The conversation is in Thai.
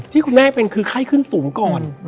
เหมือนเขาเลือดแต่เขาขึ้นสูงก่อน